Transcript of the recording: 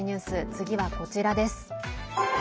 次はこちらです。